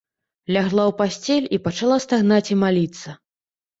Лягла ў пасцель і пачала стагнаць і маліцца.